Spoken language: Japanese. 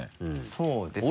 そうですね。